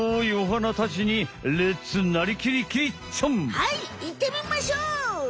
はいいってみましょう！